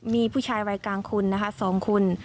มีผู้ชายวัยกลางคนนะคะ๒คน